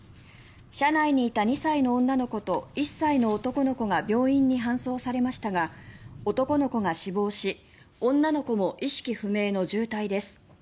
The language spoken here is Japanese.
車内にいた２歳の女の子と１歳の男の子が病院に搬送されましたが男の子が死亡し女の子も意識不明の重体です。